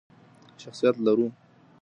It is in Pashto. شخصیت لرو.